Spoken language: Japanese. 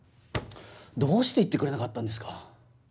どうして言ってくれなかったんですか？